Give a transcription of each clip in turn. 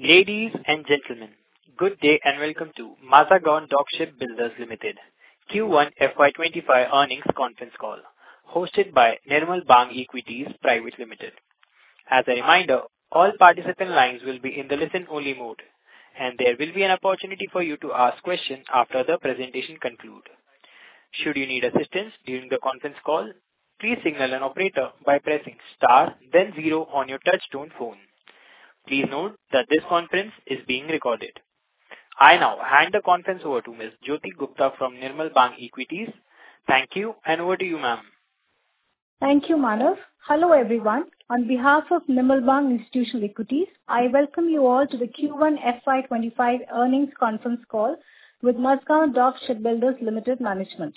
Ladies and gentlemen, good day, and welcome to Mazagon Dock Shipbuilders Limited Q1 FY25 Earnings Conference Call, hosted by Nirmal Bang Equities Private Limited. As a reminder, all participant lines will be in the listen-only mode, and there will be an opportunity for you to ask questions after the presentation conclude. Should you need assistance during the conference call, please signal an operator by pressing Star, then Zero on your touchtone phone. Please note that this conference is being recorded. I now hand the conference over to Ms. Jyoti Gupta from Nirmal Bang Equities. Thank you, and over to you, ma'am. Thank you, Manav. Hello, everyone. On behalf of Nirmal Bang Institutional Equities, I welcome you all to the Q1 FY25 Earnings Conference Call with Mazagon Dock Shipbuilders Limited management.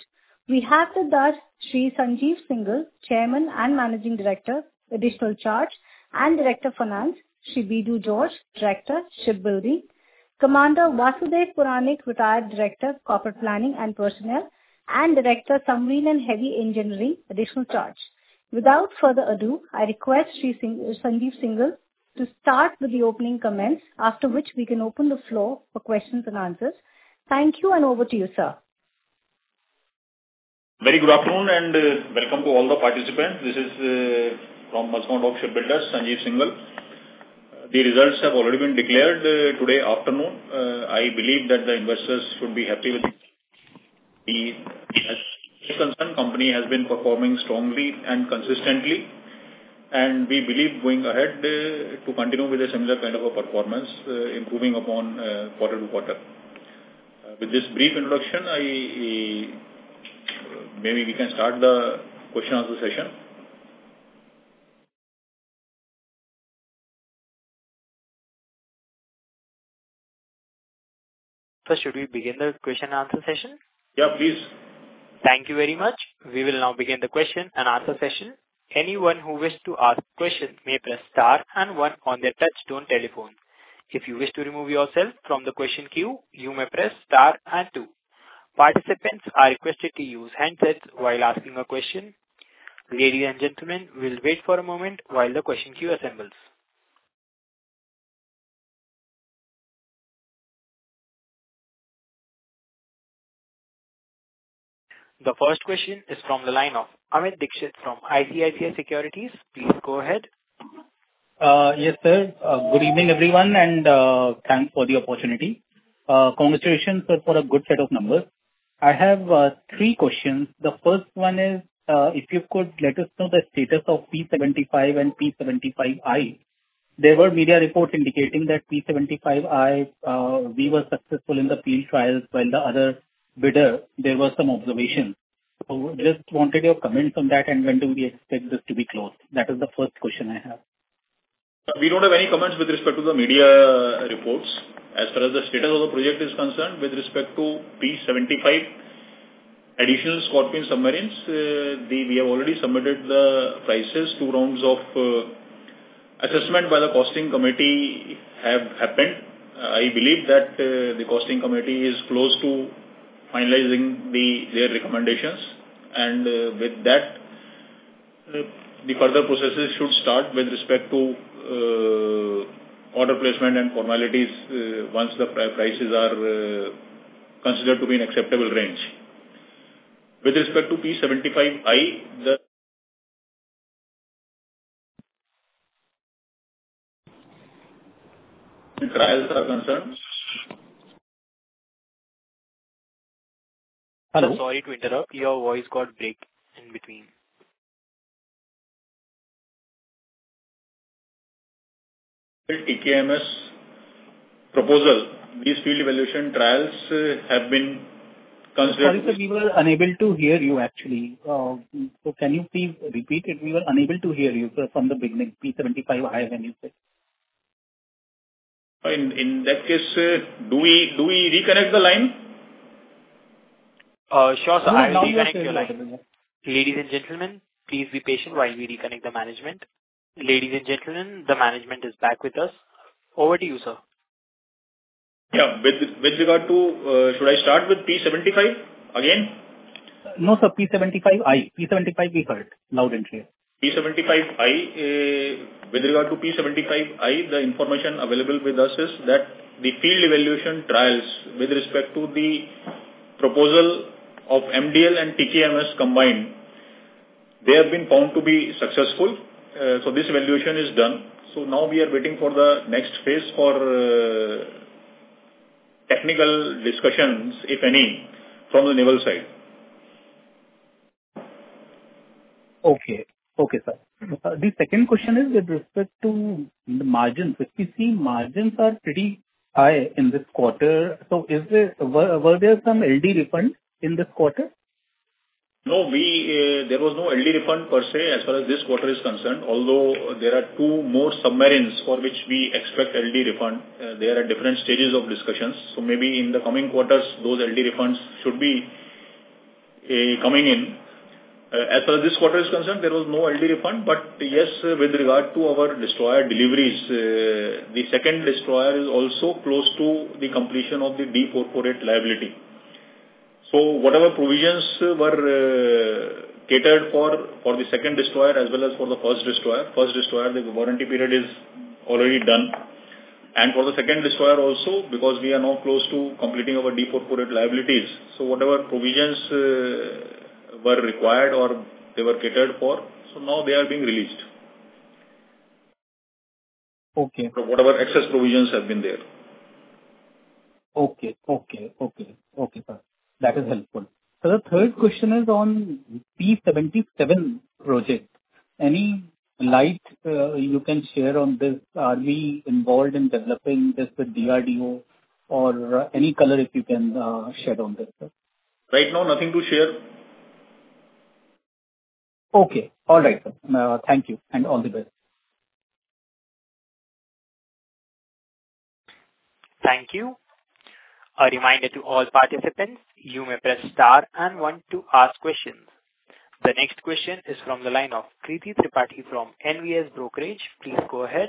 We have with us Sri Sanjeev Singhal, Chairman and Managing Director, Additional Charge, and Director of Finance, Sri Biju George, Director, Shipbuilding, Commander Vasudev Puranik (Retd), Director, Corporate Planning and Personnel, and Director, Submarine and Heavy Engineering, Additional Charge. Without further ado, I request Sri Singhal, Sanjeev Singhal, to start with the opening comments, after which we can open the floor for questions and answers. Thank you, and over to you, sir. Very good afternoon and welcome to all the participants. This is from Mazagon Dock Shipbuilders, Sanjeev Singhal. The results have already been declared today afternoon. I believe that the investors should be happy with the concerned company has been performing strongly and consistently, and we believe going ahead to continue with a similar kind of a performance, improving upon quarter to quarter. With this brief introduction, maybe we can start the question answer session. Sir, should we begin the question and answer session? Yeah, please. Thank you very much. We will now begin the question and answer session. Anyone who wishes to ask questions may press Star and One on their touchtone telephone. If you wish to remove yourself from the question queue, you may press Star and Two. Participants are requested to use handsets while asking a question. Ladies and gentlemen, we'll wait for a moment while the question queue assembles. The first question is from the line of Amit Dixit from ICICI Securities. Please go ahead. Yes, sir. Good evening, everyone, and thanks for the opportunity. Congratulations, sir, for a good set of numbers. I have three questions. The first one is, if you could let us know the status of P-75 and P-75I. There were media reports indicating that P-75I, we were successful in the field trials, while in the other bidder, there were some observations. So just wanted your comment on that, and when do we expect this to be closed? That is the first question I have. We don't have any comments with respect to the media reports. As far as the status of the project is concerned, with respect to P-75 additional Scorpene submarines, we have already submitted the prices. Two rounds of assessment by the costing committee have happened. I believe that the costing committee is close to finalizing their recommendations, and with that, the further processes should start with respect to order placement and formalities once the prices are considered to be in acceptable range. With respect to P-75I, the trials are concerned. Hello, sorry to interrupt. Your voice got break in between. TKMS proposal, these field evaluation trials have been considered. Sorry, sir, we were unable to hear you actually. So can you please repeat it? We were unable to hear you, sir, from the beginning, P-75I, when you said. In that case, do we reconnect the line? Sure, sir. I will reconnect your line. Now you are audible. Ladies and gentlemen, please be patient while we reconnect the management. Ladies and gentlemen, the management is back with us. Over to you, sir. Yeah, with regard to, should I start with P-75 again? No, sir, P-75I. P-75 we heard loud and clear. P-75I, with regard to P-75I, the information available with us is that the field evaluation trials with respect to the proposal of MDL and TKMS combined, they have been found to be successful. So this evaluation is done. So now we are waiting for the next phase for, technical discussions, if any, from the naval side. Okay. Okay, sir. The second question is with respect to the margins. We've seen margins are pretty high in this quarter. So, were there some LD refunds in this quarter? No, we, there was no LD refund per se, as far as this quarter is concerned, although there are two more submarines for which we expect LD refund. They are at different stages of discussions, so maybe in the coming quarters, those LD refunds should be coming in. As far as this quarter is concerned, there was no LD refund, but yes, with regard to our destroyer deliveries, the second destroyer is also close to the completion of the D-448 liability. So whatever provisions were catered for, for the second destroyer as well as for the first destroyer. First destroyer, the warranty period is already done. And for the second destroyer also, because we are now close to completing our D-448 liabilities. So whatever provisions were required or they were catered for, so now they are being released. Okay. Whatever excess provisions have been there. Okay. Okay, okay. Okay, sir. That is helpful. So the third question is on P-76 project. Any light you can share on this? Are we involved in developing this with DRDO, or any color if you can shed on this, sir? Right now, nothing to share. Okay. All right, sir. Thank you, and all the best. Thank you. A reminder to all participants, you may press star and one to ask questions. The next question is from the line of Kriti Tripathi from NVS Brokerage. Please go ahead.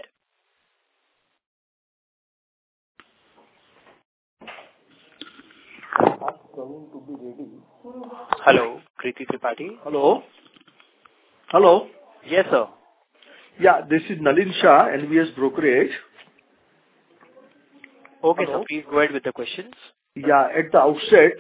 Ask Sunil to be ready. Hello, Kriti Tripathi. Hello? Hello. Yes, sir. Yeah, this is Nalin Shah, NVS Brokerage. Okay, sir. Please go ahead with the questions. Yeah. At the outset,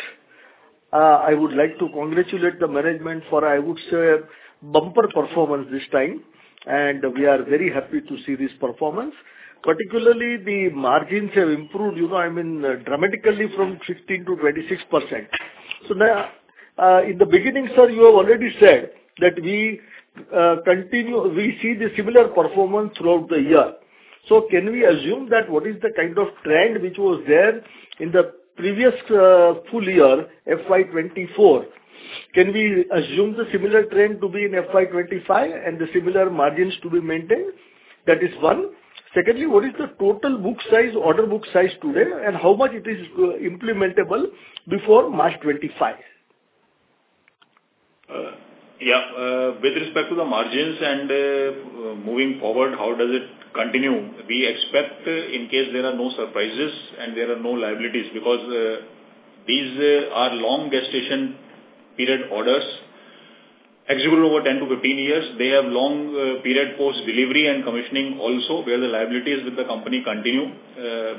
I would like to congratulate the management for, I would say, bumper performance this time, and we are very happy to see this performance. Particularly, the margins have improved, you know, I mean, dramatically from 16%-26%. So now, in the beginning, sir, you have already said that we continue, we see the similar performance throughout the year. So can we assume that what is the kind of trend which was there in the previous, full year, FY 2024, can we assume the similar trend to be in FY 2025 and the similar margins to be maintained? That is one. Secondly, what is the total book size, order book size today, and how much it is implementable before March 2025? Yeah. With respect to the margins and, moving forward, how does it continue? We expect, in case there are no surprises and there are no liabilities, because, these are long gestation period orders, executable over 10-15 years. They have long period post-delivery and commissioning also, where the liabilities with the company continue.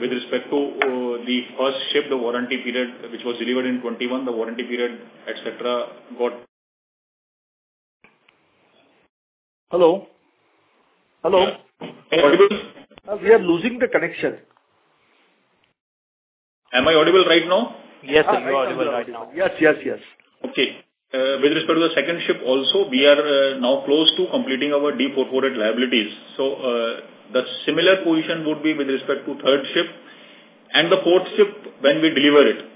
With respect to, the first ship, the warranty period, which was delivered in 2021, the warranty period, et cetera, got- Hello? Hello. Am I audible? We are losing the connection. Am I audible right now? Yes, you are audible right now. Yes, yes, yes. Okay. With respect to the second ship also, we are now close to completing our D-448 liabilities. So, the similar position would be with respect to third ship and the fourth ship when we deliver it.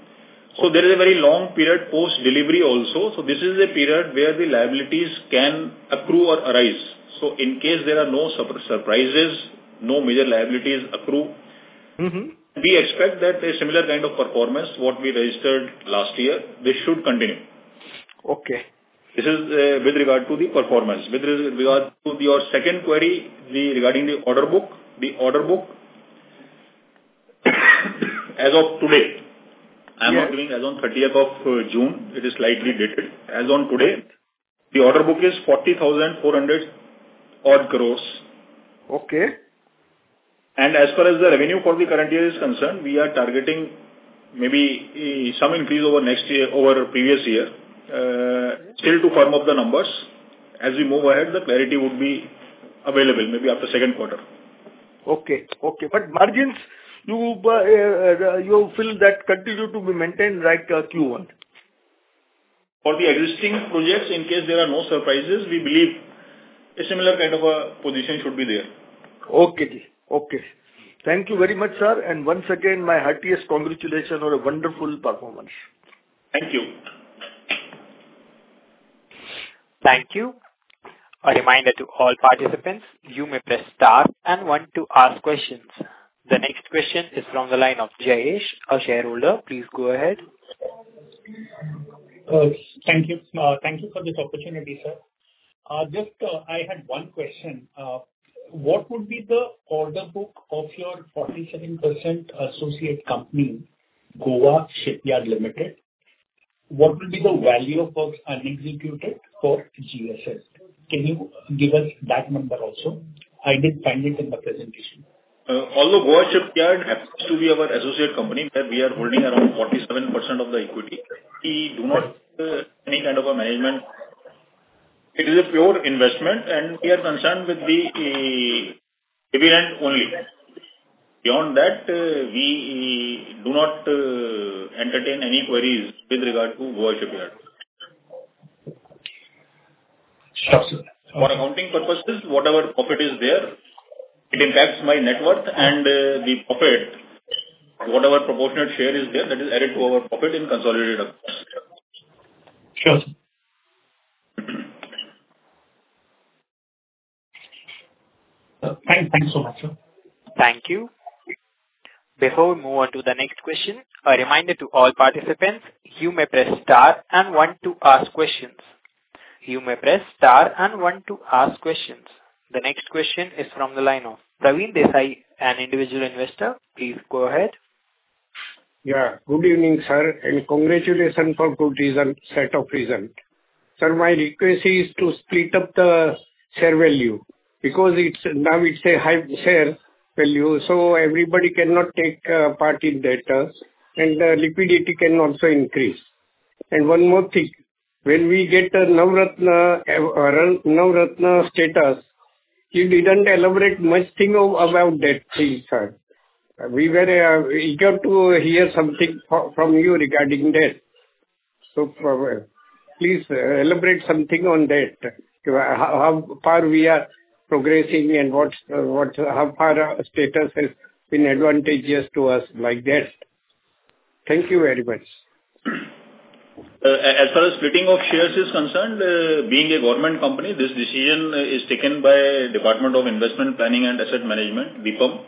So there is a very long period post-delivery also. So this is a period where the liabilities can accrue or arise. So in case there are no surprises, no major liabilities accrue- Mm-hmm. We expect that a similar kind of performance, what we registered last year, this should continue. Okay. This is with regard to the performance. With regard to your second query, regarding the order book. The order book, as of today- Yes. I'm talking as on thirtieth of June, it is slightly dated. As on today, the order book is 40,400 odd crore. Okay. As far as the revenue for the current year is concerned, we are targeting maybe some increase over next year, over previous year. Still to firm up the numbers. As we move ahead, the clarity would be available maybe after Q2 Okay, okay. But margins, you feel that continue to be maintained like Q1? For the existing projects, in case there are no surprises, we believe a similar kind of a position should be there. Okay, okay. Thank you very much, sir, and once again, my heartiest congratulations on a wonderful performance. Thank you. Thank you. A reminder to all participants, you may press star and one to ask questions. The next question is along the line of Jayesh, our shareholder. Please go ahead. Thank you. Thank you for this opportunity, sir. Just, I had one question. What would be the order book of your 47% associate company, Goa Shipyard Limited? What will be the value of works unexecuted for GSL? Can you give us that number also? I didn't find it in the presentation. Although Goa Shipyard happens to be our associate company, that we are holding around 47% of the equity, we do not any kind of a management. It is a pure investment, and we are concerned with the dividend only. Beyond that, we do not entertain any queries with regard to Goa Shipyard. Sure, sir. For accounting purposes, whatever profit is there, it impacts my net worth and, the profit, whatever proportionate share is there, that is added to our profit in consolidated. Sure, sir. Thank you so much, sir. Thank you. Before we move on to the next question, a reminder to all participants, you may press Star and one to ask questions.... You may press star and one to ask questions. The next question is from the line of Praveen Desai, an individual investor. Please go ahead. Yeah. Good evening, sir, and congratulations for good result, set of result. Sir, my request is to split up the share value, because it's now a high share value, so everybody cannot take part in that, and the liquidity can also increase. And one more thing, when we get the Navratna status, you didn't elaborate much thing of about that thing, sir. We were eager to hear something from you regarding that. So please elaborate something on that. To how far we are progressing and what's what how far our status has been advantageous to us, like that. Thank you very much. As far as splitting of shares is concerned, being a government company, this decision is taken by Department of Investment and Public Asset Management, DIPAM.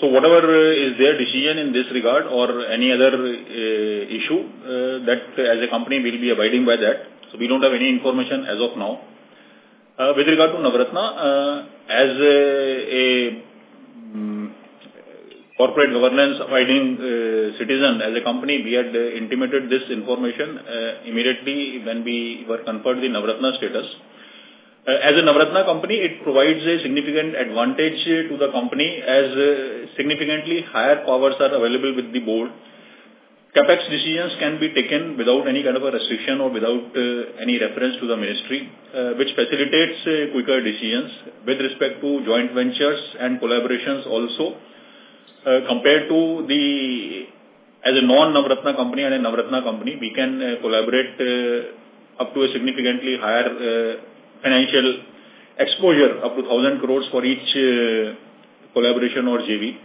So whatever is their decision in this regard or any other issue, that as a company, we'll be abiding by that. So we don't have any information as of now. With regard to Navratna, as a corporate governance abiding citizen, as a company, we had intimated this information immediately when we were conferred the Navratna status. As a Navratna company, it provides a significant advantage to the company, as significantly higher powers are available with the board. CapEx decisions can be taken without any kind of a restriction or without any reference to the ministry, which facilitates quicker decisions with respect to joint ventures and collaborations also. Compared to the, as a non-Navratna company and a Navratna company, we can collaborate up to a significantly higher financial exposure, up to 1,000 crore for each collaboration or JV.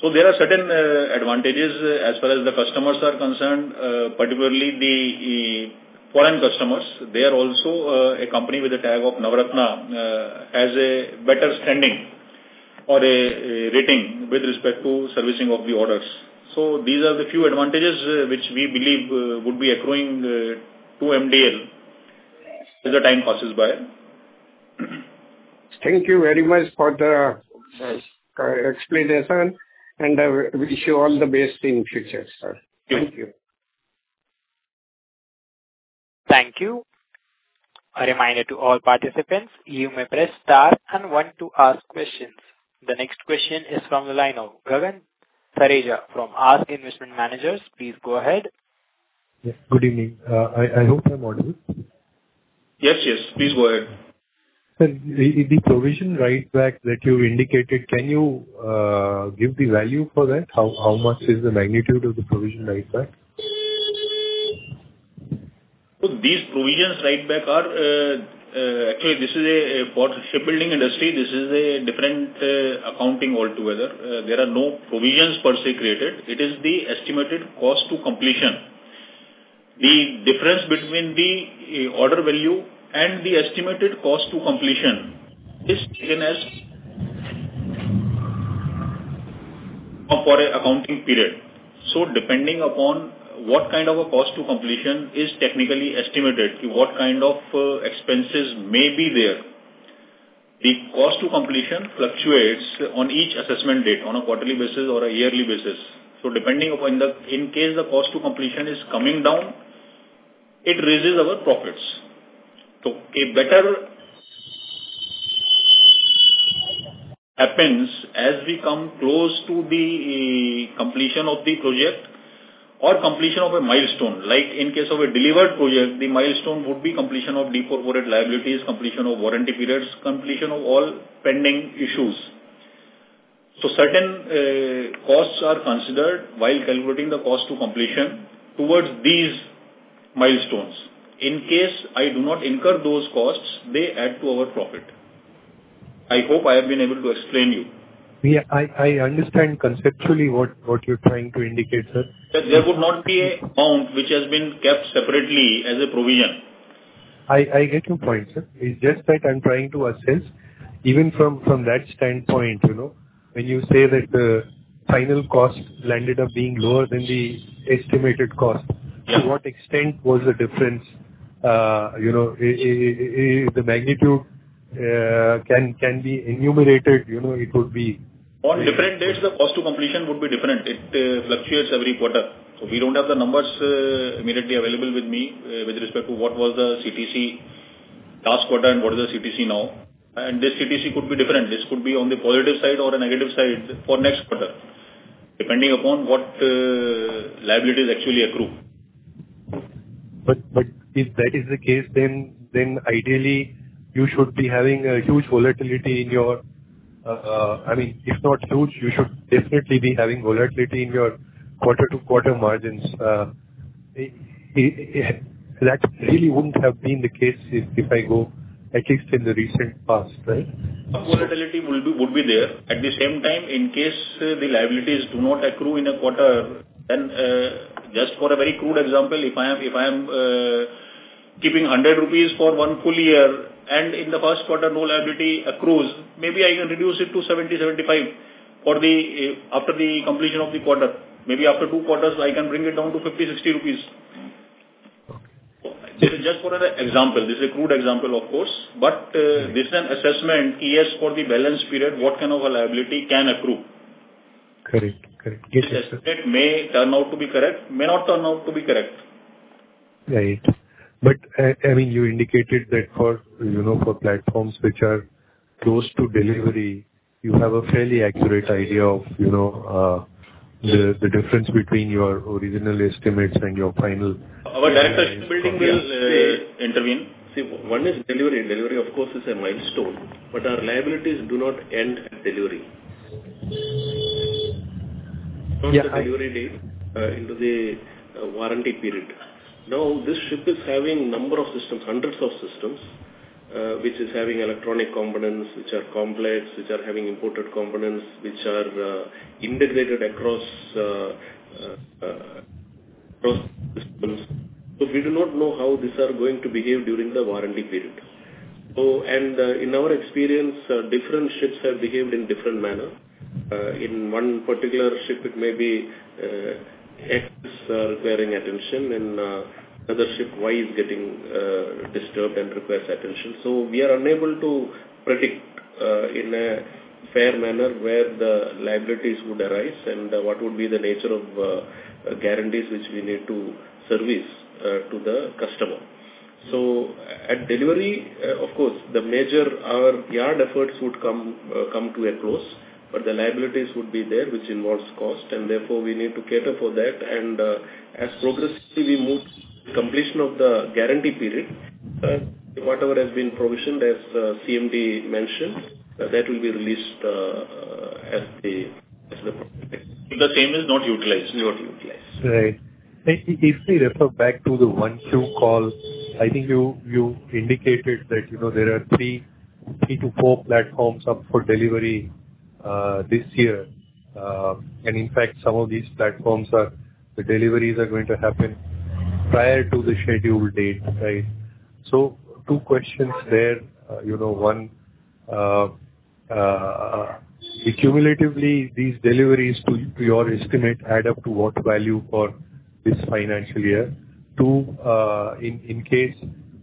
So there are certain advantages as well as the customers are concerned, particularly the foreign customers. They are also a company with a tag of Navratna has a better standing or a rating with respect to servicing of the orders. So these are the few advantages which we believe would be accruing to MDL as the time passes by. Thank you very much for the explanation, and I wish you all the best in future, sir. Thank you. Thank you. A reminder to all participants, you may press star and one to ask questions. The next question is from the line of Gagan Thareja from ASK Investment Managers. Please go ahead. Yes, good evening. I hope I'm audible? Yes, yes, please go ahead. Sir, the provision right back that you indicated, can you give the value for that? How much is the magnitude of the provision right back? So these provision write-backs are, actually, this is a for shipbuilding industry, this is a different accounting altogether. There are no provisions per se created. It is the estimated cost to completion. The difference between the order value and the estimated cost to completion is taken as... for an accounting period. So depending upon what kind of a cost to completion is technically estimated, to what kind of expenses may be there, the cost to completion fluctuates on each assessment date, on a quarterly basis or a yearly basis. So depending upon the, in case the cost to completion is coming down, it raises our profits. So a better happens as we come close to the completion of the project or completion of a milestone. Like in case of a delivered project, the milestone would be completion of deferred corporate liabilities, completion of warranty periods, completion of all pending issues. So certain costs are considered while calculating the cost to completion towards these milestones. In case I do not incur those costs, they add to our profit. I hope I have been able to explain you. Yeah, I understand conceptually what you're trying to indicate, sir. Sir, there would not be an amount which has been kept separately as a provision. I get your point, sir. It's just that I'm trying to assess, even from that standpoint, you know, when you say that the final cost landed up being lower than the estimated cost- Yeah. -to what extent was the difference? You know, if the magnitude can be enumerated, you know, it would be- On different dates, the cost to completion would be different. It fluctuates every quarter. So we don't have the numbers immediately available with me with respect to what was the CTC last quarter and what is the CTC now. And this CTC could be different. This could be on the positive side or a negative side for next quarter, depending upon what liabilities actually accrue. But if that is the case, then ideally, you should be having a huge volatility in your, I mean, if not huge, you should definitely be having volatility in your quarter-to-quarter margins. That really wouldn't have been the case if I go at least in the recent past, right? Some volatility would be, would be there. At the same time, in case the liabilities do not accrue in a quarter, then just for a very crude example, if I am keeping 100 rupees for one full year, and in the Q1, no liability accrues, maybe I can reduce it to 70, 75... for the after the completion of the quarter. Maybe after two quarters, I can bring it down to 50, 60 rupees. Okay. This is just for an example. This is a crude example, of course, but this is an assessment, yes, for the balance period, what kind of a liability can accrue? Correct. Correct. It may turn out to be correct, may not turn out to be correct. Right. But, I mean, you indicated that for, you know, for platforms which are close to delivery, you have a fairly accurate idea of, you know, the difference between your original estimates and your final- Our direct building will intervene. See, one is delivery. Delivery, of course, is a milestone, but our liabilities do not end at delivery. Yeah, I- Delivery date into the warranty period. Now, this ship is having number of systems, hundreds of systems, which is having electronic components, which are complex, which are having imported components, which are integrated across those systems. So we do not know how these are going to behave during the warranty period. So, and, in our experience, different ships have behaved in different manner. In one particular ship, it may be X requiring attention, and another ship, Y, is getting disturbed and requires attention. So we are unable to predict in a fair manner, where the liabilities would arise and what would be the nature of guarantees which we need to service to the customer. So at delivery, of course, the major our yard efforts would come to a close, but the liabilities would be there, which involves cost, and therefore, we need to cater for that. And as progressively we move to completion of the guarantee period, whatever has been provisioned, as CMD mentioned, that will be released, as the project. If the same is not utilized. Not utilized. Right. If we refer back to the 1, 2 call, I think you indicated that, you know, there are three to four platforms up for delivery this year. And in fact, some of these platforms, the deliveries are going to happen prior to the scheduled date, right? So 2 questions there. You know, 1, cumulatively, these deliveries, to your estimate, add up to what value for this financial year? 2, in case,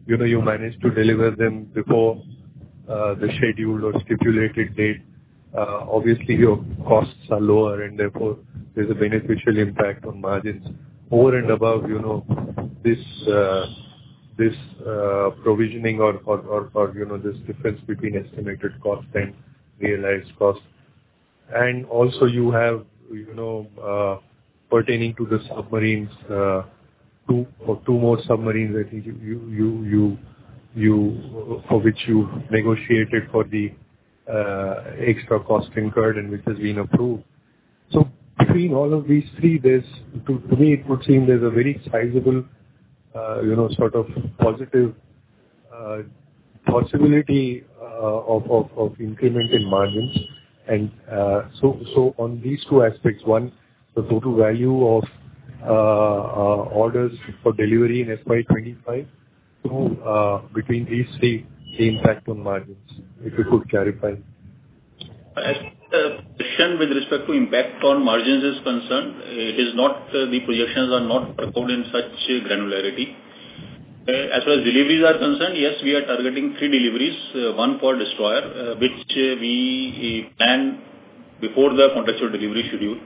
you know, you manage to deliver them before the scheduled or stipulated date, obviously, your costs are lower, and therefore, there's a beneficial impact on margins. Over and above, you know, this provisioning or, you know, this difference between estimated costs and realized costs. And also, you have, you know, pertaining to the submarines, two, or two more submarines, I think you for which you negotiated for the extra cost incurred and which has been approved. So between all of these three, there's... To me, it would seem there's a very sizable, you know, sort of positive possibility of increment in margins. And so on these two aspects, one, the total value of orders for delivery in FY 25. Two, between these three, the impact on margins, if you could clarify. As the question with respect to impact on margins is concerned, it is not the projections are not performed in such granularity. As far as deliveries are concerned, yes, we are targeting three deliveries, one for destroyer, which we plan before the contextual delivery schedule.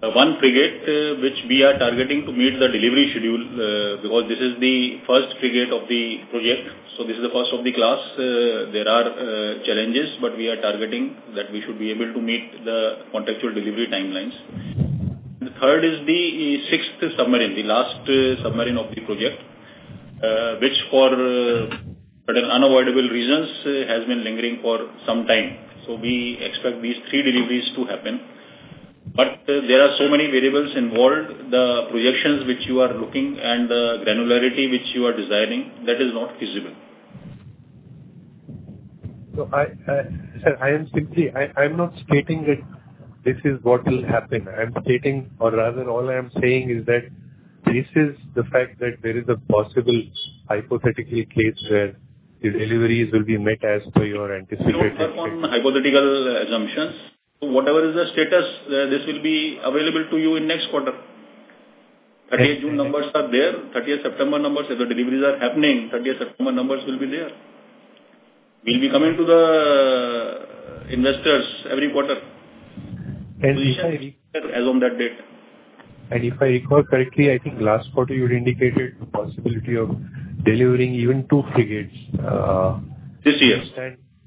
One frigate, which we are targeting to meet the delivery schedule, because this is the first frigate of the project, so this is the first of the class. There are challenges, but we are targeting that we should be able to meet the contextual delivery timelines. The third is the sixth submarine, the last submarine of the project, which for unavoidable reasons has been lingering for some time. So we expect these three deliveries to happen. There are so many variables involved, the projections which you are looking and the granularity which you are desiring, that is not feasible. So, Sir, I am simply... I'm not stating that this is what will happen. I'm stating, or rather, all I'm saying is that this is the fact that there is a possible hypothetical case where the deliveries will be met as per your anticipated- We don't work on hypothetical assumptions. Whatever is the status, this will be available to you in next quarter. Right. 30 June numbers are there. 30 September numbers, if the deliveries are happening, 30 September numbers will be there. We'll be coming to the investors every quarter. If I- As on that date. If I recall correctly, I think last quarter you had indicated the possibility of delivering even two frigates. This year.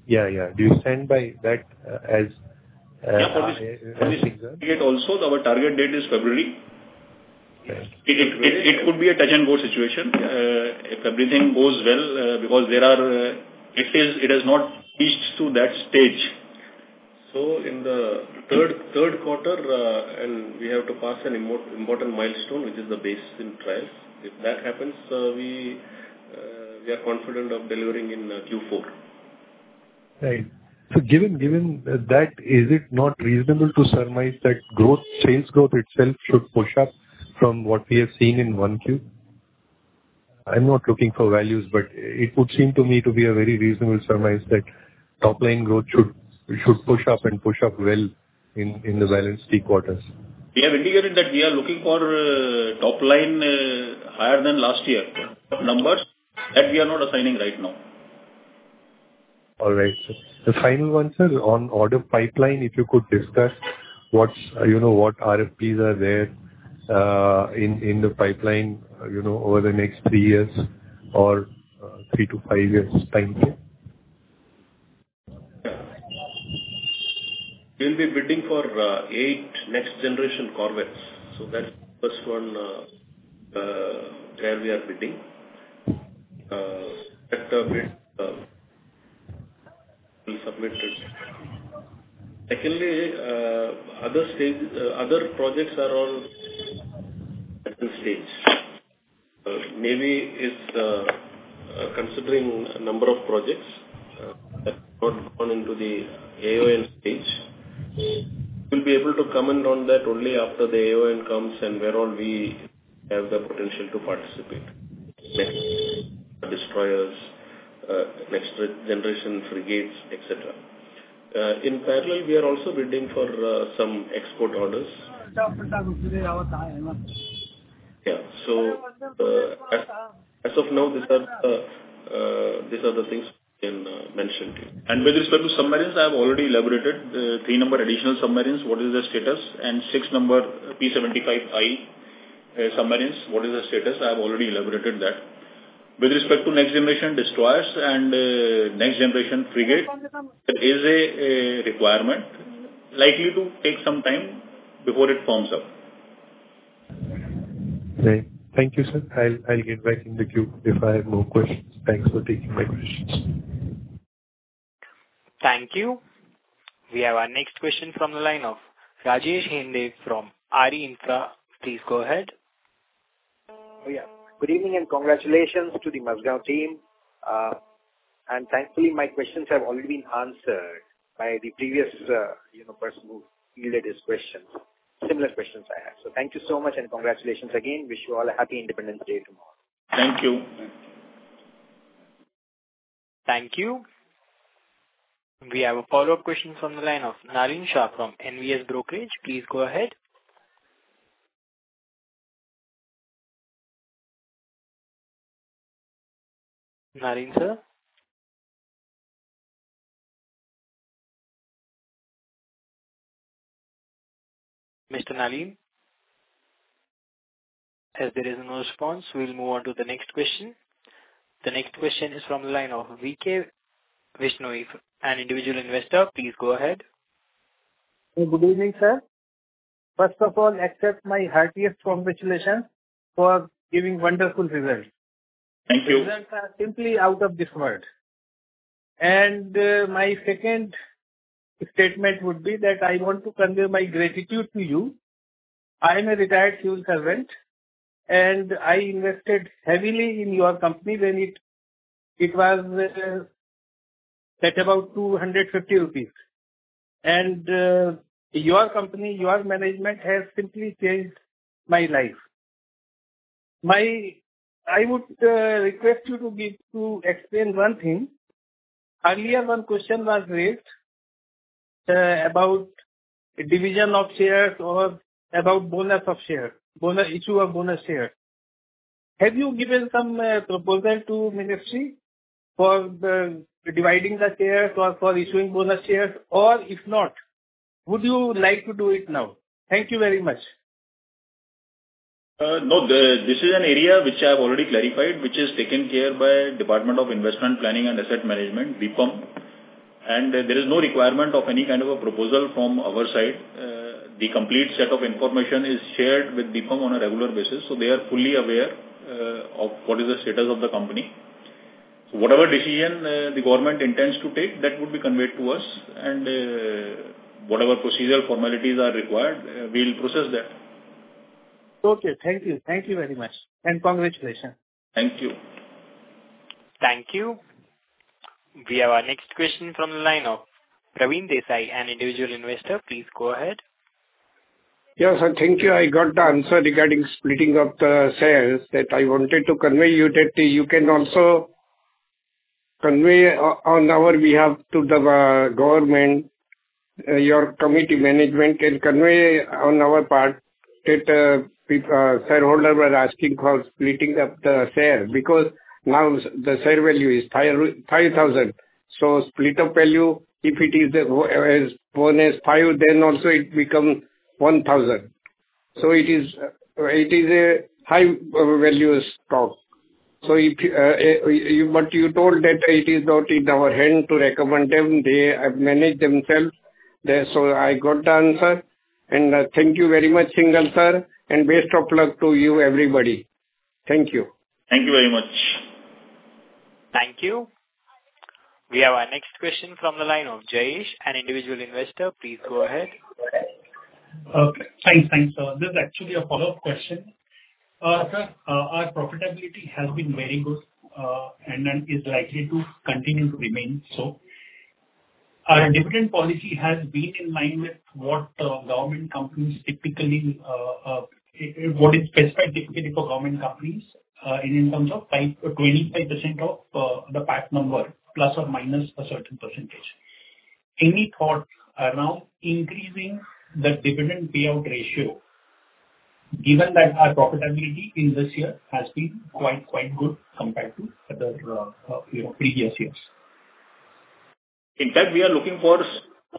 Yeah, yeah. Do you stand by that, as, Yeah, for this, for this frigate also, our target date is February. Right. It could be a touch and go situation, if everything goes well, because there are... It has not reached to that stage. So in the Q3, we have to pass an important milestone, which is the basin trials. If that happens, we are confident of delivering in Q4. Right. So given, given that, is it not reasonable to surmise that growth, sales growth itself should push up from what we have seen in Q1?... I'm not looking for values, but it would seem to me to be a very reasonable surmise that top line growth should push up and push up well in the balanced quarters. We have indicated that we are looking for top line higher than last year. Numbers that we are not assigning right now. All right, sir. The final one, sir, on order pipeline, if you could discuss what's, you know, what RFPs are there in the pipeline, you know, over the next three years or three to five years time frame? We'll be bidding for eight Next Generation Corvettes, so that's first one, where we are bidding. That we submit this. Secondly, other projects are on different stage. Maybe it's considering a number of projects that went on into the AoN stage. We'll be able to comment on that only after the AoN comes and where all we have the potential to participate. Next, destroyers, Next Generation Frigates, et cetera. In parallel, we are also bidding for some export orders. Yeah, so, as of now, these are the things I can mention. And with respect to submarines, I have already elaborated three number additional submarines, what is the status, and six number P-75I submarines, what is the status? I have already elaborated that. With respect to Next Generation Destroyers and next generation frigate, there is a requirement likely to take some time before it forms up. Right. Thank you, sir. I'll, I'll get back in the queue if I have more questions. Thanks for taking my questions. Thank you. We have our next question from the line of Rajesh from Arihant Capital. Please go ahead. Oh, yeah. Good evening, and congratulations to the Mazagon team. And thankfully, my questions have already been answered by the previous, you know, person who yielded his questions. Similar questions I have. So thank you so much, and congratulations again. Wish you all a Happy Independence Day tomorrow. Thank you. Thank you. We have a follow-up question from the line of Nalin Shah from NVS Brokerage. Please go ahead. Nalin, sir? Mr. Nalin? As there is no response, we'll move on to the next question. The next question is from the line of VK Vishnu, an individual investor. Please go ahead. Good evening, sir. First of all, accept my heartiest congratulations for giving wonderful results. Thank you. Results are simply out of this world. My second statement would be that I want to convey my gratitude to you. I am a retired civil servant, and I invested heavily in your company when it was at about 250 rupees. Your company, your management, has simply changed my life. I would request you to give, to explain one thing. Earlier, one question was raised about division of shares or about bonus of share, bonus, issue of bonus share. Have you given some proposal to ministry for the dividing the shares or for issuing bonus shares, or if not, would you like to do it now? Thank you very much. No, this is an area which I've already clarified, which is taken care by Department of Investment and Public Asset Management, DIPAM, and there is no requirement of any kind of a proposal from our side. The complete set of information is shared with DIPAM on a regular basis, so they are fully aware of what is the status of the company. Whatever decision the government intends to take, that would be conveyed to us, and whatever procedural formalities are required, we'll process that. Okay. Thank you. Thank you very much, and congratulations. Thank you. Thank you. We have our next question from the line of Praveen Desai, an individual investor. Please go ahead. Yes, sir. Thank you. I got the answer regarding splitting of the shares that I wanted to convey you, that you can also convey on our behalf to the government, your committee management, and convey on our part that shareholder were asking for splitting up the share, because now the share value is 5,500. So split up value, if it is as bonus 5, then also it become 1,000. So it is a high value stock. So if but you told that it is not in our hand to recommend them, they manage themselves. There, so I got the answer, and thank you very much, Singhal Sir, and best of luck to you, everybody. Thank you. Thank you very much. Thank you. We have our next question from the line of Jayesh, an individual investor. Please go ahead. Thanks, thanks, sir. This is actually a follow-up question. Sir, our profitability has been very good, and then is likely to continue to remain so.... Our dividend policy has been in mind with what government companies typically what is specified typically for government companies in terms of 5, 25% of the PAT number, plus or minus a certain percentage. Any thought now increasing the dividend payout ratio, given that our profitability in this year has been quite, quite good compared to other you know previous years? In fact, we are looking for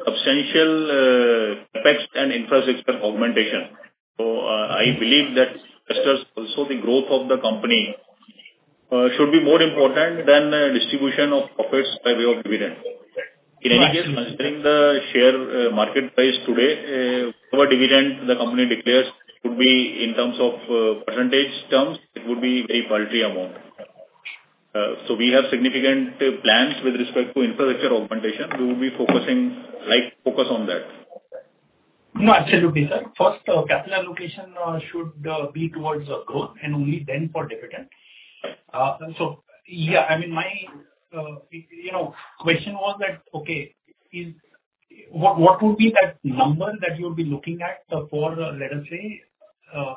substantial effects and infrastructure augmentation. So, I believe that investors, also the growth of the company, should be more important than distribution of profits by way of dividends. Right. In any case, considering the share market price today, our dividend the company declares would be in terms of percentage terms. It would be a paltry amount. So we have significant plans with respect to infrastructure augmentation. We will be focusing, like, focus on that. No, absolutely, sir. First, capital allocation should be towards growth and only then for dividend. So yeah, I mean, my you know question was that, okay, is... What, what would be that number that you would be looking at, for, let us say,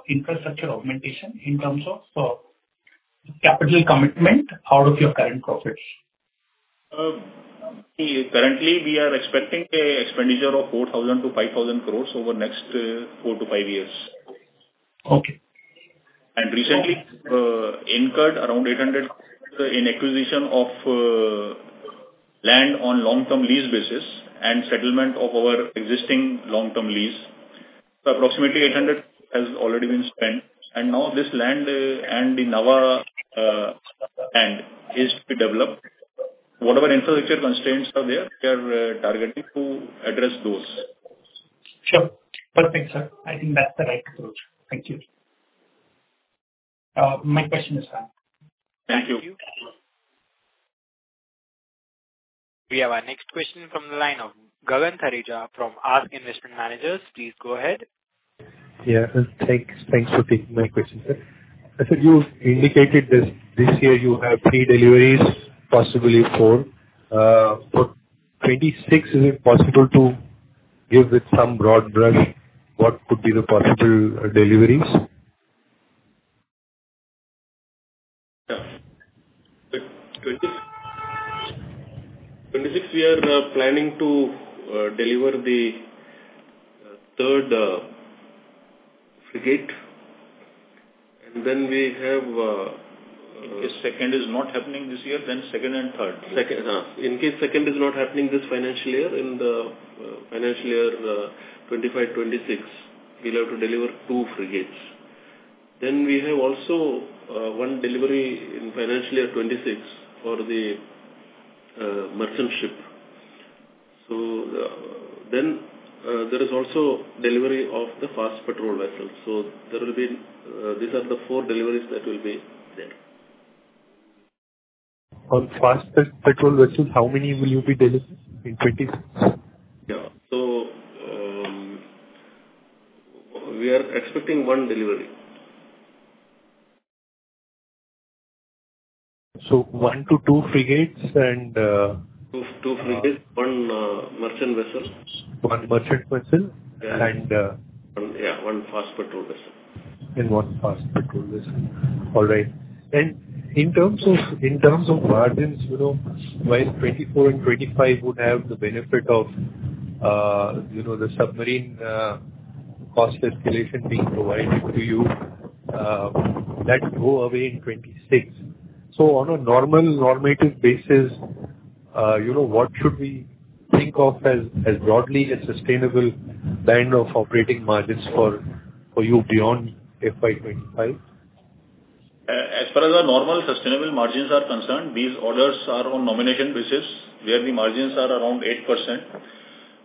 infrastructure augmentation in terms of, capital commitment out of your current profits? Currently, we are expecting a expenditure of 4,000-5,000 crore over the next 4-5 years. Okay. Recently, incurred around 800 in acquisition of land on long-term lease basis and settlement of our existing long-term lease. So approximately 800 has already been spent, and now this land and in our land is to be developed. Whatever infrastructure constraints are there, we are targeting to address those. Sure. Perfect, sir. I think that's the right approach. Thank you. My question is done. Thank you. We have our next question from the line of Gagan Thareja from ASK Investment Managers. Please go ahead. Yeah, thanks, thanks for taking my question, sir. I think you indicated this, this year you have three deliveries, possibly four. For 26, is it possible to give it some broad brush, what could be the possible deliveries? Yeah. In 2026, we are planning to deliver the third frigate. And then we have- If second is not happening this year, then second and third. Second. In case second is not happening this financial year, in the financial year 2025-26, we'll have to deliver two frigates. Then we have also one delivery in financial year 2026 for the merchant ship. So then there is also delivery of the fast patrol vessel. So there will be. These are the four deliveries that will be there. On Fast Patrol Vessel, how many will you be delivering in 2026? Yeah. We are expecting one delivery. one-two frigates and, two, two frigates, one merchant vessel. One merchant vessel. Yeah. And, uh- one, yeah, one fast patrol vessel. And one fast patrol vessel. All right. And in terms of, in terms of margins, you know, while 2024 and 2025 would have the benefit of, you know, the submarine, cost escalation being provided to you, that go away in 2026. So on a normal normative basis, you know, what should we think of as, as broadly a sustainable kind of operating margins for, for you beyond FY 2025? As far as our normal sustainable margins are concerned, these orders are on nomination basis, where the margins are around 8%.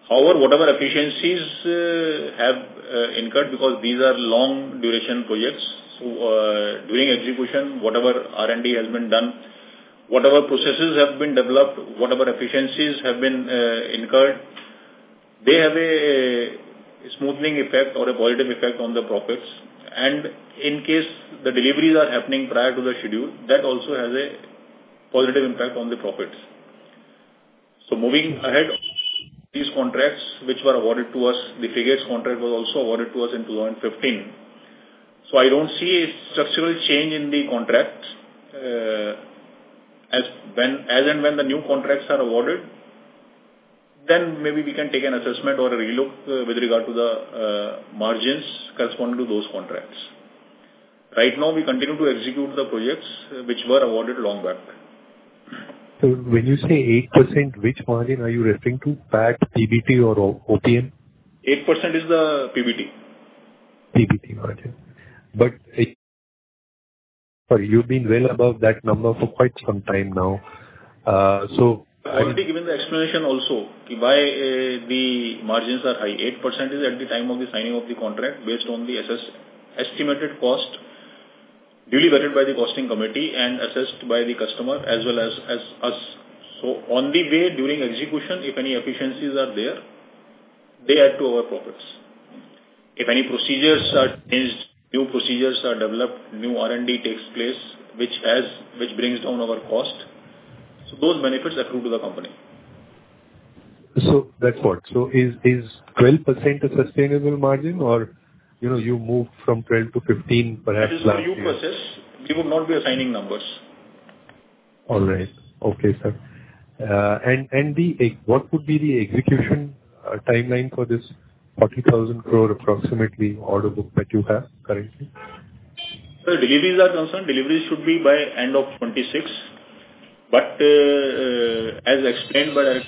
However, whatever efficiencies have incurred, because these are long duration projects, so, during execution, whatever R&D has been done, whatever processes have been developed, whatever efficiencies have been incurred, they have a smoothing effect or a positive effect on the profits. And in case the deliveries are happening prior to the schedule, that also has a positive impact on the profits. So moving ahead, these contracts, which were awarded to us, the frigates contract was also awarded to us in 2015. So I don't see a structural change in the contracts, as and when the new contracts are awarded, then maybe we can take an assessment or a relook, with regard to the margins corresponding to those contracts. Right now, we continue to execute the projects, which were awarded long back. When you say 8%, which margin are you referring to? PAT, PBT or OPM? 8% is the PBT. PBT margin. But, but you've been well above that number for quite some time now. So- I have already given the explanation also, why the margins are high. 8% is at the time of the signing of the contract, based on the estimated cost duly vetted by the costing committee and assessed by the customer as well as us. So on the way, during execution, if any efficiencies are there, they add to our profits. If any procedures are changed, new procedures are developed, new R&D takes place, which brings down our cost, so those benefits accrue to the company. So that's what. So is 12% a sustainable margin or, you know, you move from 12%-15% perhaps? That is a new process. We would not be assigning numbers. All right. Okay, sir. And what would be the execution timeline for this approximately 40,000 crore order book that you have currently? As deliveries are concerned, deliveries should be by end of 2026. But, as explained by our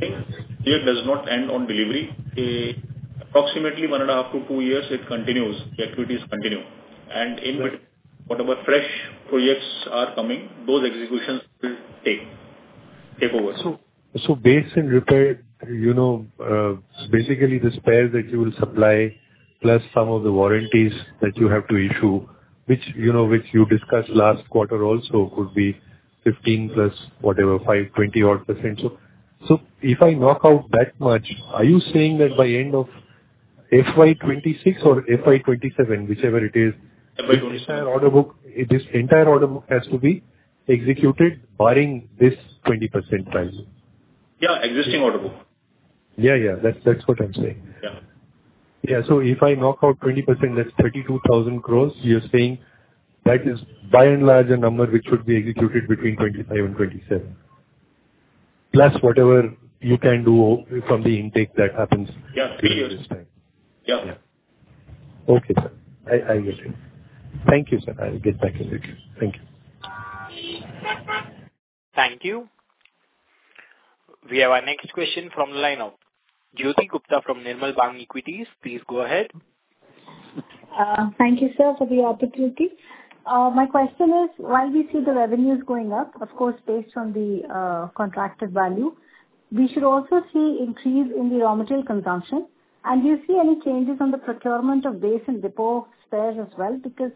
team, here does not end on delivery. Approximately 1.5-2 years, it continues, the activities continue. And in what- whatever fresh projects are coming, those executions will take, take over. So based on repair, you know, basically the spares that you will supply, plus some of the warranties that you have to issue, which, you know, which you discussed last quarter also, could be 15 plus whatever, five, 20-odd%. So if I knock out that much, are you saying that by end of FY 2026 or FY 2027, whichever it is- FY 2027. the entire order book, this entire order book has to be executed barring this 20% price? Yeah, existing order book. Yeah, yeah. That's, that's what I'm saying. Yeah. Yeah. So if I knock out 20%, that's 32,000 crore. You're saying that is by and large a number which should be executed between 25 and 27. Plus whatever you can do from the intake that happens- Yeah. during this time. Yeah. Yeah. Okay, sir. I, I understand. Thank you, sir. I'll get back in touch. Thank you. Thank you. We have our next question from the line of Jyoti Gupta from Nirmal Bang Equities. Please go ahead. Thank you, sir, for the opportunity. My question is, while we see the revenues going up, of course, based on the contracted value, we should also see increase in the raw material consumption. And do you see any changes on the procurement of base and depot spares as well? Because,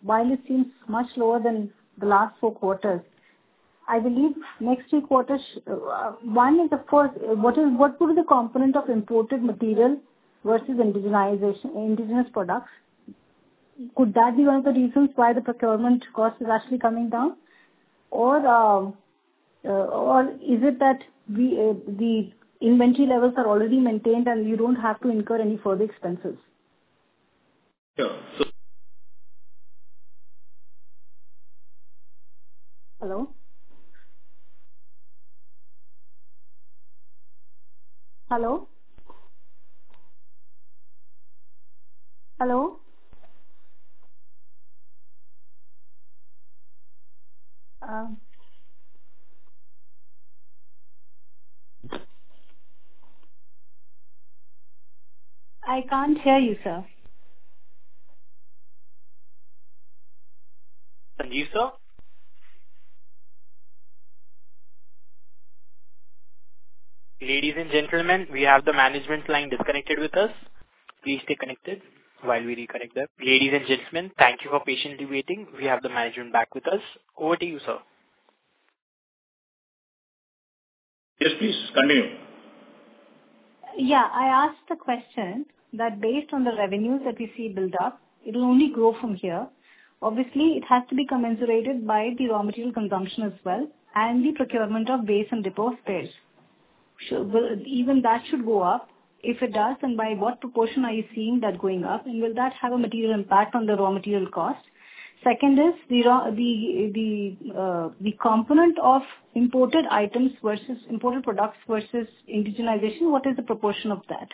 while it seems much lower than the last four quarters, I believe next three quarters, one is, of course, what is, what could be the component of imported material versus indigenization, indigenous products? Could that be one of the reasons why the procurement cost is actually coming down? Or, or is it that the the inventory levels are already maintained and you don't have to incur any further expenses? Yeah, so- Hello? Hello? Hello? I can't hear you, sir. Can you, sir? Ladies and gentlemen, we have the management line disconnected with us. Please stay connected while we reconnect them. Ladies and gentlemen, thank you for patiently waiting. We have the management back with us. Over to you, sir. Yes, please continue. Yeah, I asked the question that based on the revenues that you see build up, it will only grow from here. Obviously, it has to be commensurate with the raw material consumption as well and the procurement of Base and Depot Spares. So, will even that go up? If it does, then by what proportion are you seeing that going up? And will that have a material impact on the raw material cost? Second is, the raw, the component of imported items versus imported products versus indigenization, what is the proportion of that?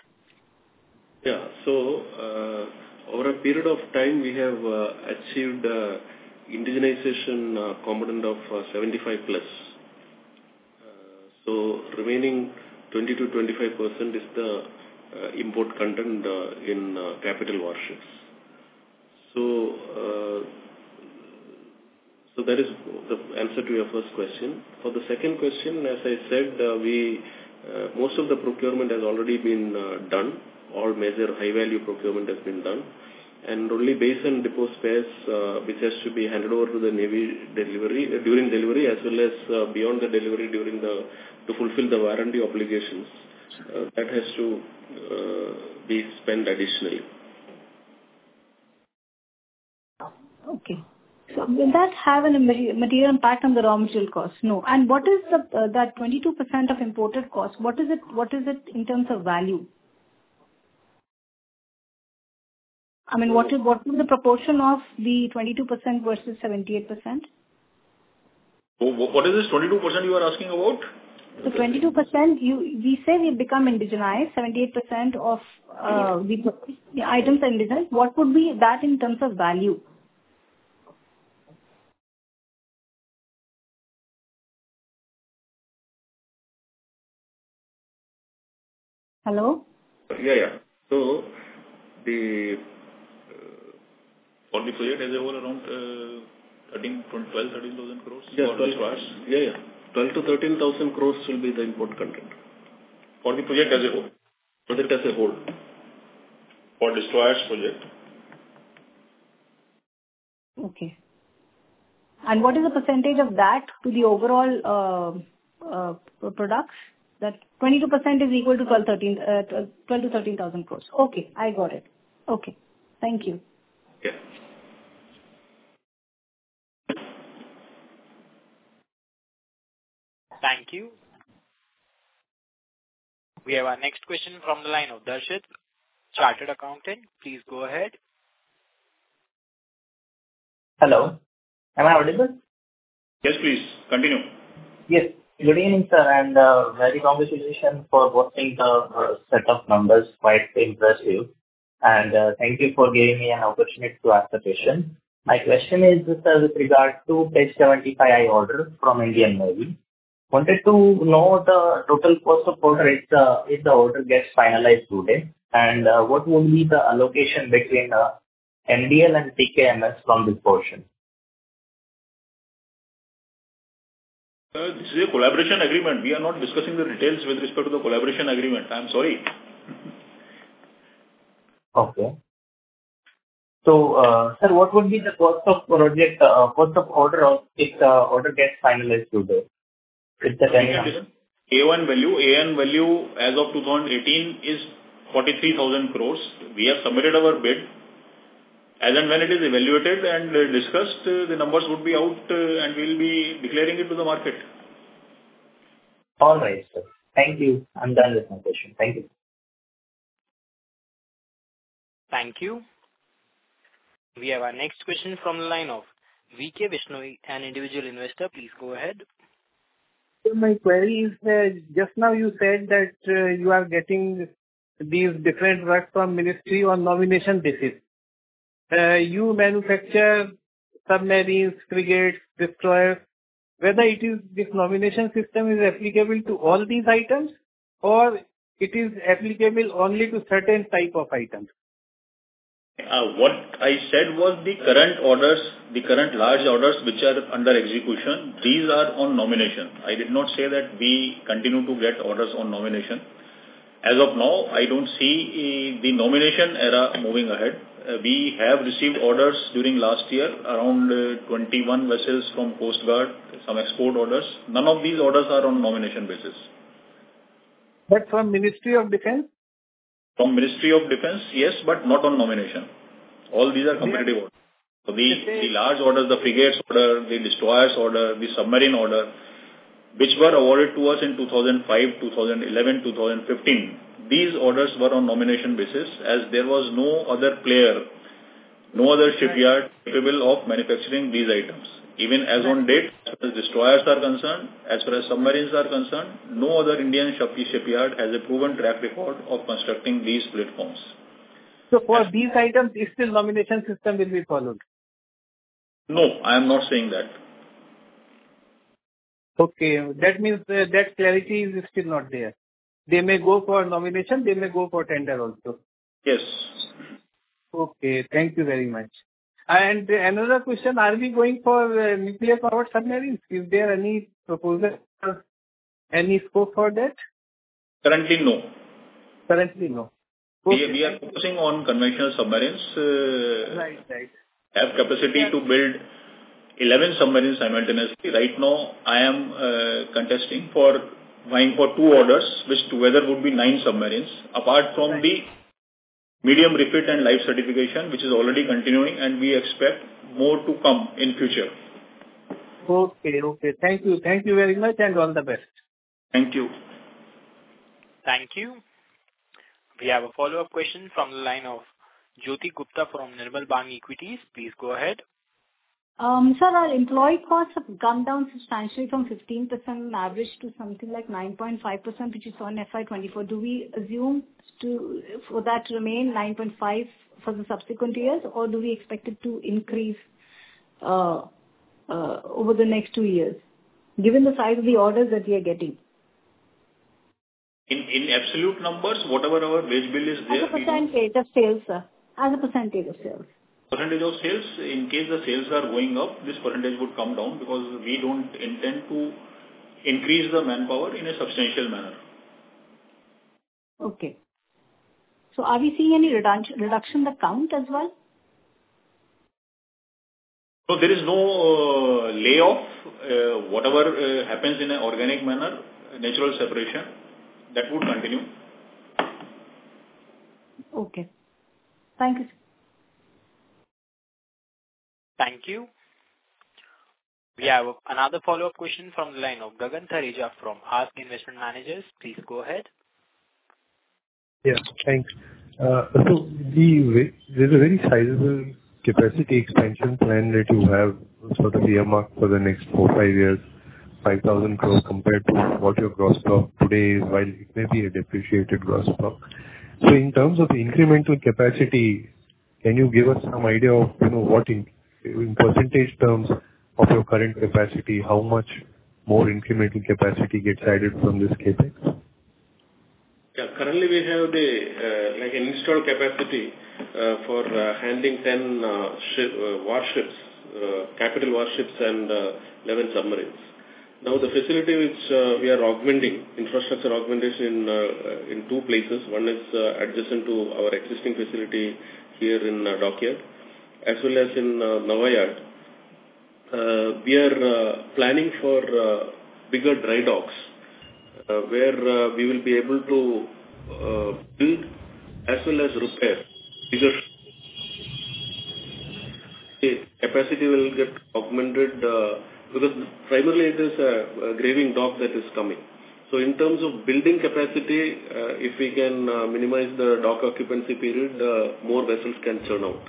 Yeah. So, over a period of time, we have achieved indigenization component of 75+. So remaining 20%-25% is the import content in capital warships. So, so that is the answer to your first question. For the second question, as I said, we most of the procurement has already been done. All major high-value procurement has been done. And only base and depot spares, which has to be handed over to the navy delivery, during delivery, as well as, beyond the delivery during the, to fulfill the warranty obligations, that has to be spent additionally. Okay. So will that have a material impact on the raw material cost? No. And what is that 22% of imported cost? What is it, what is it in terms of value? I mean, what is the proportion of the 22% versus 78%? What is this 22% you are asking about? The 22%, you, you said you've become indigenized, 78% of the items are indigenized. What would be that in terms of value? Hello? Yeah, yeah. So for the project as a whole around 12,000-13,000 crore? Yeah, 12 to- Yeah, yeah. 12,000-13,000 crore will be the import content. For the project as a whole? Project as a whole. For destroyers project?... Okay. And what is the percentage of that to the overall products? That 22% is equal to 12,000-13,000 crore. Okay, I got it. Okay. Thank you. Yeah. Thank you. We have our next question from the line of Darshit, chartered accountant. Please go ahead. Hello, am I audible? Yes, please, continue. Yes. Good evening, sir, and very congratulations for posting the set of numbers, quite impressive. And thank you for giving me an opportunity to ask the question. My question is with regard to page 75, P-75I order from Indian Navy. Wanted to know the total cost of order if the order gets finalized today, and what will be the allocation between MDL and TKMS from this portion? This is a collaboration agreement. We are not discussing the details with respect to the collaboration agreement. I'm sorry. Okay. Sir, what would be the cost of project, cost of order of if the order gets finalized today? AoN value, AoN value as of 2018 is 43,000 crore. We have submitted our bid. As and when it is evaluated and discussed, the numbers would be out, and we'll be declaring it to the market. All right, sir. Thank you. I'm done with my question. Thank you. Thank you. We have our next question from the line of VK Vishnu, an individual investor. Please go ahead. My query is, just now you said that, you are getting these different work from ministry on nomination basis. You manufacture submarines, frigates, destroyers, whether it is this nomination system is applicable to all these items, or it is applicable only to certain type of items? What I said was the current orders, the current large orders, which are under execution, these are on nomination. I did not say that we continue to get orders on nomination. As of now, I don't see, the nomination era moving ahead. We have received orders during last year, around, 21 vessels from Coast Guard, some export orders. None of these orders are on nomination basis. From Ministry of Defense? From Ministry of Defence, yes, but not on nomination. All these are competitive orders. Okay. The large orders, the frigates order, the destroyers order, the submarine order, which were awarded to us in 2005, 2011, 2015, these orders were on Nomination Basis, as there was no other player, no other shipyard capable of manufacturing these items. Even as on date, as far as destroyers are concerned, as far as submarines are concerned, no other Indian shipyard has a proven track record of constructing these platforms. For these items, it's still nomination system will be followed? No, I am not saying that. Okay. That means, that clarity is still not there. They may go for nomination, they may go for tender also. Yes. Okay, thank you very much. And another question, are we going for nuclear-powered submarines? Is there any proposal, any scope for that? Currently, no. Currently, no. We are focusing on conventional submarines. Right, right. Have capacity to build 11 submarines simultaneously. Right now, I am vying for two orders, which together would be 9 submarines, apart from the- Right... medium refit and life certification, which is already continuing, and we expect more to come in future. Okay, okay. Thank you. Thank you very much, and all the best. Thank you. Thank you. We have a follow-up question from the line of Jyoti Gupta from Nirmal Bang Equities. Please go ahead. Sir, our employee costs have come down substantially from 15% average to something like 9.5%, which is on FY 2024. Do we assume for that to remain 9.5 for the subsequent years, or do we expect it to increase over the next 2 years, given the size of the orders that we are getting? In absolute numbers, whatever our wage bill is there- As a percentage of sales, sir. As a percentage of sales. Percentage of sales, in case the sales are going up, this percentage would come down, because we don't intend to increase the manpower in a substantial manner. Okay. So are we seeing any reduction in the count as well? No, there is no layoff. Whatever happens in an organic manner, natural separation, that would continue. Okay. Thank you, sir. Thank you. We have another follow-up question from the line of Gagan Thareja from ASK Investment Managers. Please go ahead. Yes, thanks. So there's a very sizable capacity expansion plan that you have for the year mark for the next 4-5 years, 5,000 crore, compared to what your gross stock today is, while it may be a depreciated gross stock. So in terms of the incremental capacity, can you give us some idea of, you know, what in, in percentage terms of your current capacity, how much more incremental capacity gets added from this CapEx? Yeah. Currently, we have, like, an installed capacity for handling 10 capital warships and 11 submarines. Now, the facility which we are augmenting, infrastructure augmentation, in two places. One is adjacent to our existing facility here in Dockyard, as well as in Naval Yard. We are planning for bigger dry docks, where we will be able to build as well as repair bigger. Capacity will get augmented, because primarily it is graving dock that is coming. So in terms of building capacity, if we can minimize the dock occupancy period, more vessels can turn out.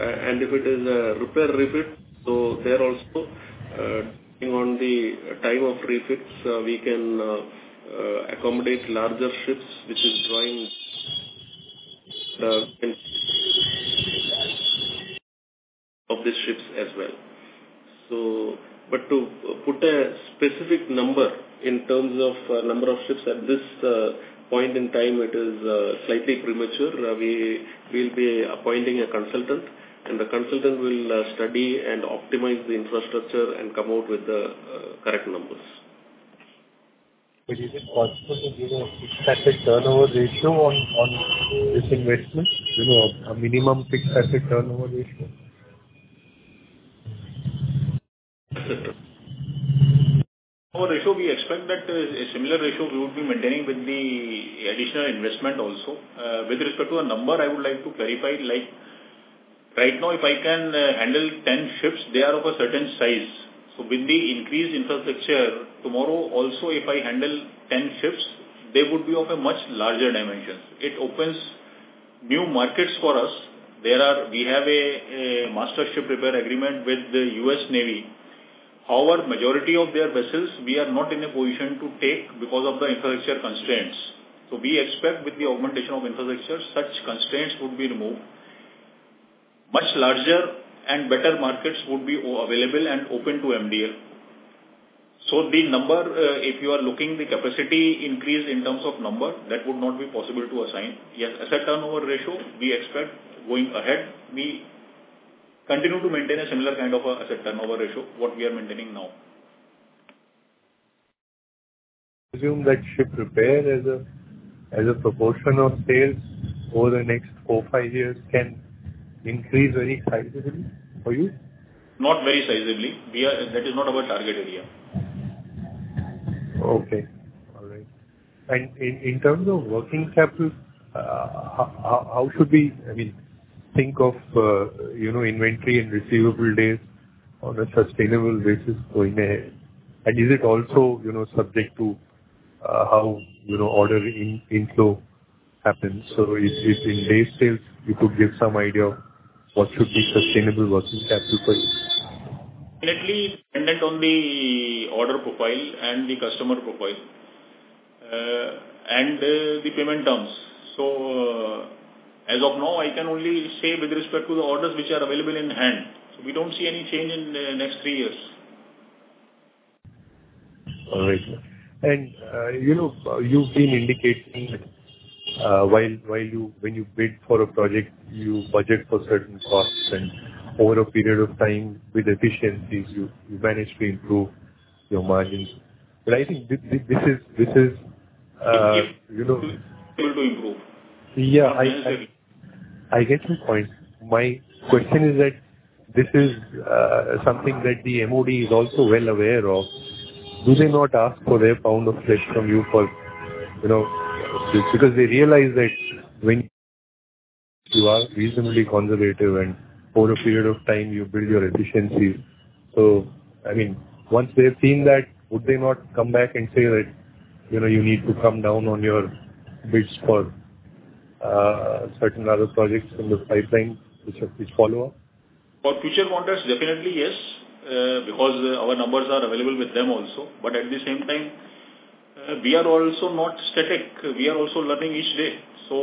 And if it is a repair refit, so there also, on the time of refits, we can accommodate larger ships, which is drawing of the ships as well. So but to put a specific number in terms of number of ships, at this point in time, it is slightly premature. We'll be appointing a consultant, and the consultant will study and optimize the infrastructure and come out with the correct numbers. Is it possible to give a fixed asset turnover ratio on this investment? You know, a minimum fixed asset turnover ratio? Our ratio, we expect that, a similar ratio we would be maintaining with the additional investment also. With respect to a number, I would like to clarify, like, right now, if I can, handle 10 ships, they are of a certain size. So with the increased infrastructure, tomorrow, also, if I handle 10 ships, they would be of a much larger dimensions. It opens new markets for us. There are. We have a Master Ship Repair Agreement with the U.S. Navy. However, majority of their vessels, we are not in a position to take because of the infrastructure constraints. So we expect with the augmentation of infrastructure, such constraints would be removed. Much larger and better markets would be available and open to MDL. So the number, if you are looking the capacity increase in terms of number, that would not be possible to assign. Yes, asset turnover ratio, we expect going ahead, we continue to maintain a similar kind of asset turnover ratio, what we are maintaining now. Assume that ship repair as a proportion of sales over the next four-five years can increase very sizably for you? Not very sizably. We are... That is not our target area. Okay, all right. And in terms of working capital, how should we, I mean, think of, you know, inventory and receivable days on a sustainable basis going ahead? And is it also, you know, subject to, how, you know, order inflow happens? So if in day sales, you could give some idea of what should be sustainable working capital for you. Definitely dependent on the order profile and the customer profile, and the payment terms. So, as of now, I can only say with respect to the orders which are available in hand, we don't see any change in next three years. All right. You know, you've been indicating, when you bid for a project, you budget for certain costs, and over a period of time, with efficiencies, you manage to improve your margins. But I think this is, you know- Able to improve. Yeah, I get your point. My question is that this is something that the MoD is also well aware of. Do they not ask for their pound of flesh from you for, you know, because they realize that when you are reasonably conservative and for a period of time, you build your efficiency. So, I mean, once they've seen that, would they not come back and say that, "You know, you need to come down on your bids for certain other projects in the pipeline, which are, which follow up? For future projects, definitely, yes, because our numbers are available with them also. But at the same time, we are also not static. We are also learning each day. So,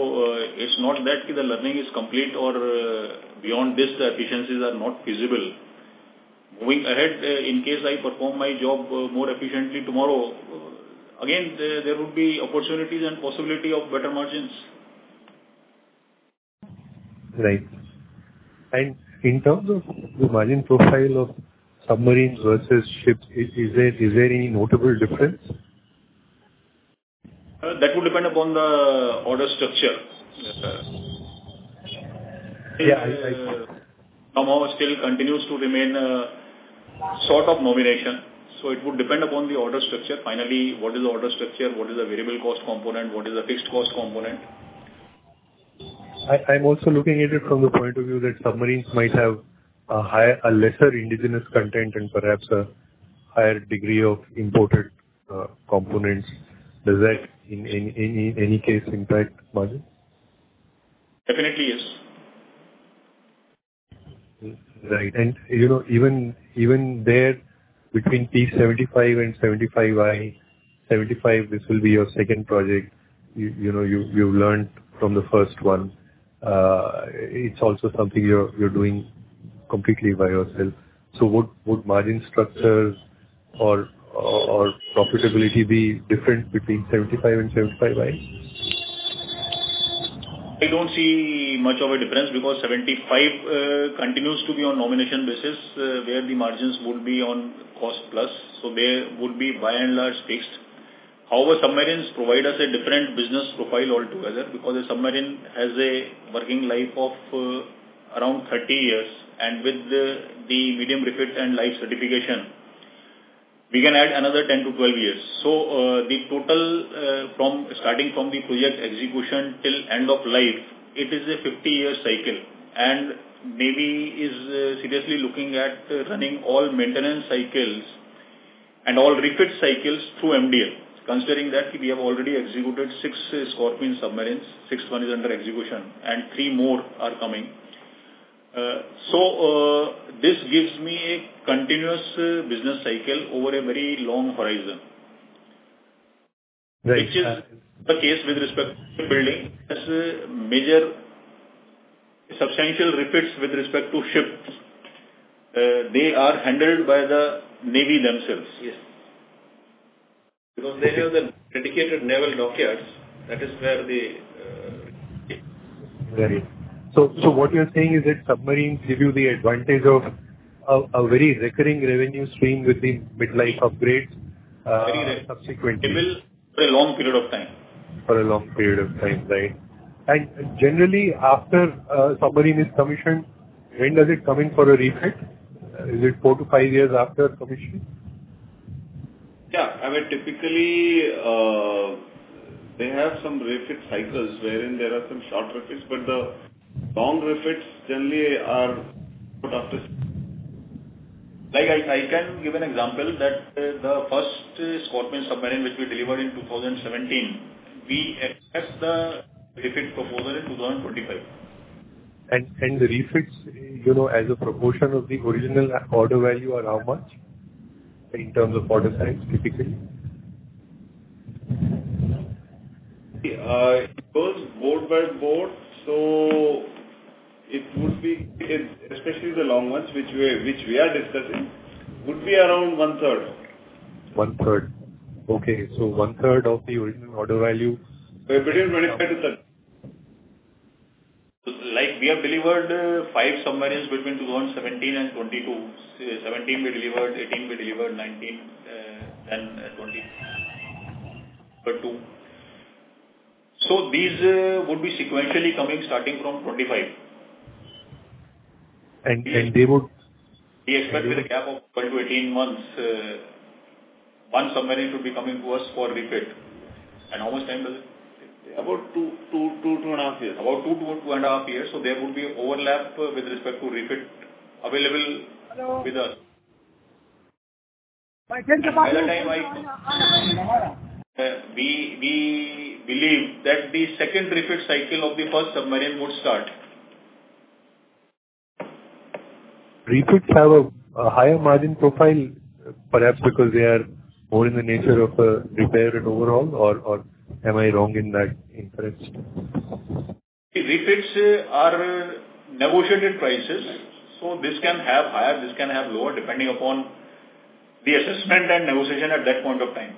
it's not that the learning is complete or, beyond this, the efficiencies are not feasible. Going ahead, in case I perform my job more efficiently tomorrow, again, there would be opportunities and possibility of better margins. Right. And in terms of the margin profile of submarines versus ships, is there any notable difference? That would depend upon the order structure. Yeah, I... Somehow, it still continues to remain sort of nomination. So it would depend upon the order structure. Finally, what is the order structure? What is the variable cost component? What is the fixed cost component? I'm also looking at it from the point of view that submarines might have a lesser indigenous content and perhaps a higher degree of imported components. Does that in any case impact margin? Definitely, yes. Right. And, you know, even there between P-75 and P-75I, 75, this will be your second project. You know, you've learned from the first one. It's also something you're doing completely by yourself. So would margin structures or profitability be different between 75 and 75I? I don't see much of a difference, because 75 continues to be on nomination basis, where the margins would be on cost plus, so they would be by and large fixed. However, submarines provide us a different business profile altogether, because a submarine has a working life of around 30 years, and with the medium refits and life certification, we can add another 10-12 years. So, the total from starting from the project execution till end of life, it is a 50-year cycle. And Navy is seriously looking at running all maintenance cycles and all refit cycles through MDL. Considering that, we have already executed six Scorpene submarines, sixth one is under execution, and three more are coming. So, this gives me a continuous business cycle over a very long horizon. Right. Which is the case with respect to building. As a major substantial refits with respect to ships, they are handled by the Navy themselves. Yes. Because they have the dedicated naval dockyards, that is where the Right. So, so what you're saying is that submarines give you the advantage of a, a very recurring revenue stream with the mid-life upgrades, subsequently? Very well, it will, for a long period of time. For a long period of time, right. And generally, after submarine is commissioned, when does it come in for a refit? Is it 4-5 years after commissioning? Yeah. I mean, typically, they have some refit cycles wherein there are some short refits, but the long refits generally are put after... Like, I can give an example that, the first Scorpene submarine, which we delivered in 2017, we expect the refit proposal in 2025. And the refits, you know, as a proportion of the original order value, are how much, in terms of order size, typically? It goes boat by boat, so it would be, especially the long ones, which we are discussing, would be around one third. One third. Okay, so one third of the original order value. But between 25-30. Like, we have delivered five submarines between 2017 and 2022. 2017 we delivered, 2018 we delivered, 2019 and 2022. So these would be sequentially coming, starting from 25. And they would- We expect with a gap of 12-18 months, one submarine should be coming to us for refit. How much time does it take? About 2 to 2.5 years. About 2 to 2.5 years, so there would be overlap with respect to refit available with us. We believe that the second refit cycle of the first submarine would start. Refits have a higher margin profile, perhaps because they are more in the nature of a repair and overhaul, or am I wrong in that inference? Refits are negotiated prices, so this can have higher, this can have lower, depending upon the assessment and negotiation at that point of time.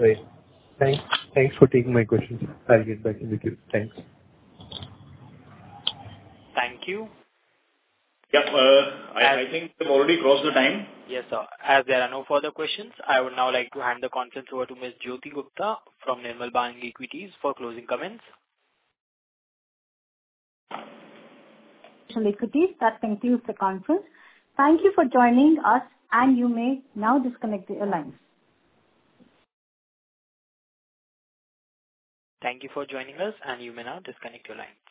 Great. Thanks for taking my questions. I'll get back in with you. Thanks. Thank you. Yeah, I think we've already crossed the time. Yes, sir. As there are no further questions, I would now like to hand the conference over to Ms. Jyoti Gupta from Nirmal Bang Equities, for closing comments.... That concludes the conference. Thank you for joining us, and you may now disconnect the lines. Thank you for joining us, and you may now disconnect your lines.